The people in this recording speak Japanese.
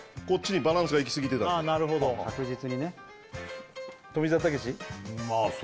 こっちにバランスがいきすぎてたのであ